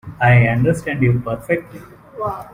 I understand you perfectly.